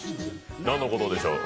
何のことでしょう。